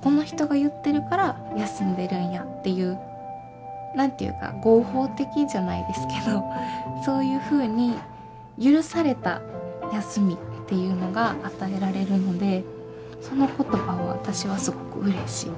この人が言ってるから休んでるんや」っていう何て言うか合法的じゃないですけどそういうふうに許された休みっていうのが与えられるのでその言葉は私はすごくうれしいです。